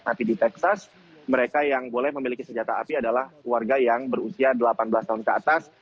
tapi di texas mereka yang boleh memiliki senjata api adalah warga yang berusia delapan belas tahun ke atas